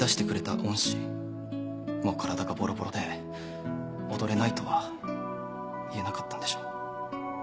もう体がボロボロで踊れないとは言えなかったんでしょう。